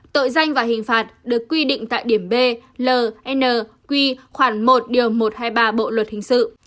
tội danh và hình phạt được quy định tại điểm b l khoảng một điều một trăm hai mươi ba bộ luật hình sự